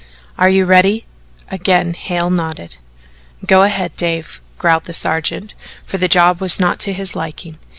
"Are you ready?" Again Hale nodded. "Go ahead, Dave," growled the sergeant, for the job was not to his liking.